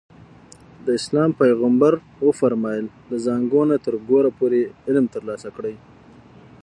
د اسلام پیغمبر وفرمایل له زانګو نه تر ګوره پورې علم ترلاسه کړئ.